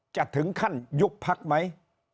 จะถึงขั้นยุคพรรคไหม